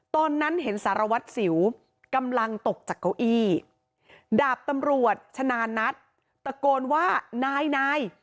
ตอนนั้นเห็นสารวัตรสิวกำลังตกจากเก้าอี้ดาบตำรวจชนะนัทตะโกนว่านายนาย